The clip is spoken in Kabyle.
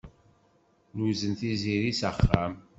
Nuzen Tiziri s axxam.